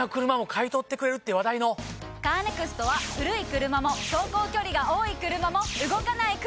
カーネクストは古い車も走行距離が多い車も動かない車でも。